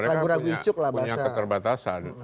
ragu ragu icuk lah bahasa mereka punya keterbatasan